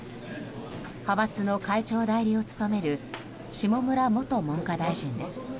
派閥の会長代理を務める下村元文科大臣です。